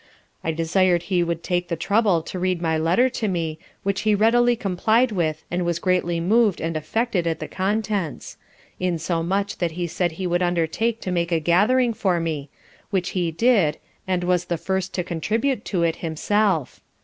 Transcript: I desired he would take the trouble to read my letter for me, which he readily comply'd with and was greatly moved and affected at the contents; insomuch that he said he would undertake to make a gathering for me, which he did and was the first to contribute to it himself.